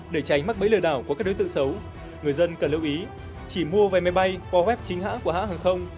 để tránh mắc bẫy lừa đảo của các đối tượng xấu người dân cần lưu ý chỉ mua vé máy bay qua web chính hãng của hãng hàng không